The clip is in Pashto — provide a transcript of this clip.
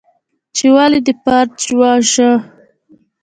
، چې ولې دې فرج وواژه؟